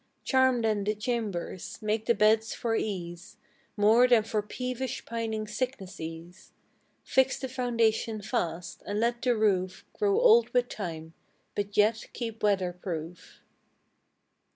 Charm then the chambers; make the beds for ease, More than for peevish pining sicknesses; Fix the foundation fast, and let the roof Grow old with time, but yet keep weather proof.